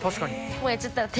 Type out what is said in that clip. もうやっちゃったら、まぁ。